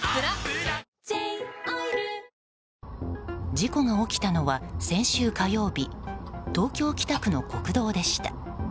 事故が起きたのは先週火曜日東京・北区の国道でした。